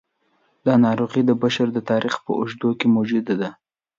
دا ناروغي د بشر د تاریخ په اوږدو کې موجوده ده.